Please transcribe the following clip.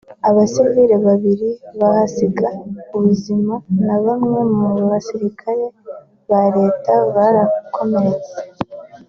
abasivile babiri bahasiga ubuzima na bamwe mu basirikare ba Leta barakomereka